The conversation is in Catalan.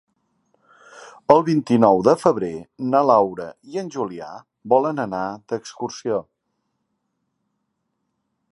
El vint-i-nou de febrer na Laura i en Julià volen anar d'excursió.